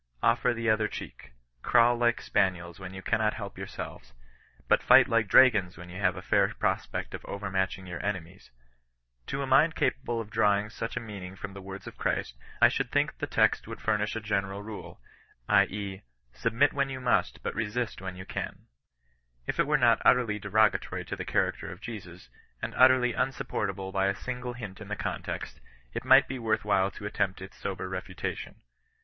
Offer the other cheek. Crawl like spaniels, when you cannot help yourselves ! But fight like dragons when you have a fair prospect of overmatching your enemies ! To a mind capable of drawing such a meaning from the words of Christ, I should think the text would furnish a general rule, L e. " submit when you mu^, but resist when you cari." If it were not utterly derogatory to the character of Jesus, and utterly unsupported by a single hint in the context, it might be worth while to attempt its sober refutation.